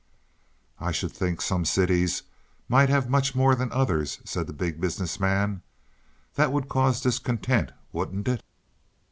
"I should think some cities might have much more than others," said the Big Business Man. "That would cause discontent, wouldn't it?"